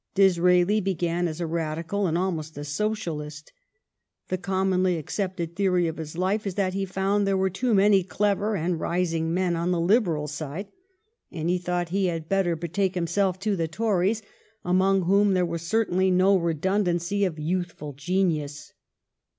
Disraeli began as a Radical and almost a Socialist. The com monly accepted theory of his life is that he found there were too many clever and rising men on the Liberal side and he thought he had better HOME RULE 373 betake himself to the Tories, among whom there was certainly no redundancy of youthful genius.